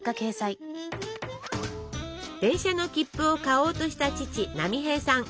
電車の切符を買おうとした父波平さん。